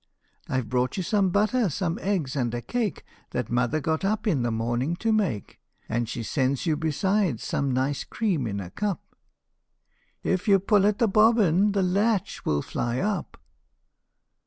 I 've brought you some butter, some eggs, and a cake That mother got up in the morning to make, And she sends you besides some nice cream in a cup" " If you pull at the bobbin the latch will fly up